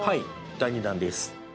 第２弾です。